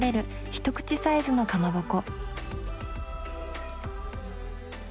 一口サイズのかまぼこ。